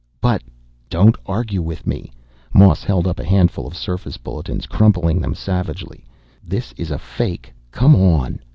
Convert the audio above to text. "But " "Don't argue with me." Moss held up a handful of surface bulletins, crumpling them savagely. "This is a fake. Come on!"